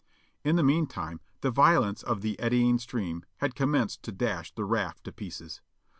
In the meantime the violence of the eddying stream had ccnimenced to dash the raft to pieces.